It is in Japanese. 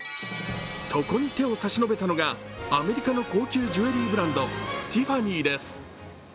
そこに手を差し伸べたのがアメリカの高級ジュエリーブランド、ティファニーです。